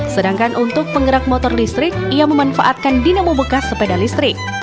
sedangkan untuk penggerak motor listrik ia memanfaatkan dinamo bekas sepeda listrik